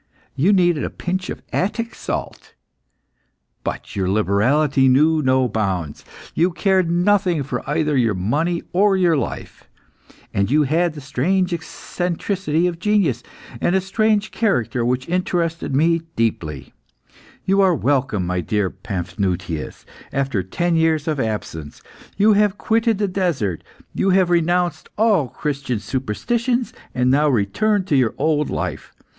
You needed a pinch of Attic salt, but your liberality knew no bounds. You cared nothing for either your money or your life. And you had the eccentricity of genius, and a strange character which interested me deeply. You are welcome, my dear Paphnutius, after ten years of absence. You have quitted the desert; you have renounced all Christian superstitions, and now return to your old life.